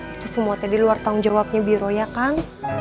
itu semuanya di luar tang jawabnya biro ya kak